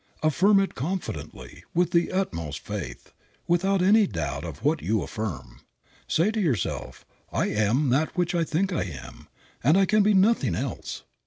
Affirm it confidently, with the utmost faith, without any doubt of what you affirm. Say to yourself, "I am that which I think I am and I can be nothing else."